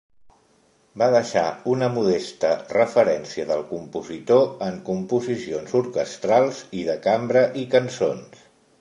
Va deixar una modesta referència del compositor en composicions orquestrals i de cambra i cançons.